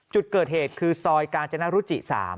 จุดเกิดเหตุคือซอยกาญจนรุจิ๓